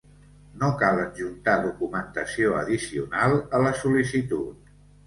No cal adjuntar documentació addicional a la sol·licitud.